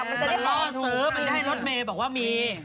มันจะได้หอมถูกมันเล่าซื้อมันได้ให้รถเมย์บอกว่ามี